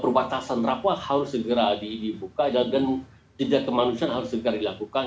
perbatasan rafael harus segera dibuka dan jeda kemanusiaan harus segera dilakukan